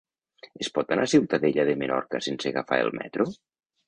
Es pot anar a Ciutadella de Menorca sense agafar el metro?